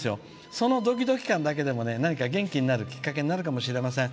そのドキドキ感だけでも元気になるきっかけになるかもしれません。